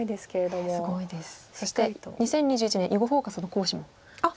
そして２０２１年「囲碁フォーカス」の講師もされたりと。